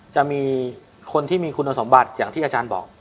จะมีคนที่มีคุณสมบัติอย่างที่อาจารย์บอก